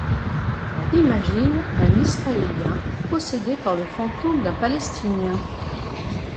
Imagine un Israélien possédé par le fantôme d’un Palestinien.